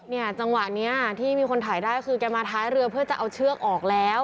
จังหวะนี้ที่มีคนถ่ายได้คือแกมาท้ายเรือเพื่อจะเอาเชือกออกแล้ว